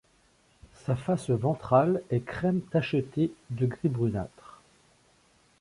Sa face ventrale est crème tacheté de gris brunâtre.